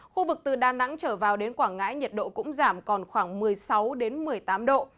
khu vực từ đà nẵng trở vào đến quảng ngãi nhiệt độ cũng giảm còn khoảng một mươi sáu một mươi tám độ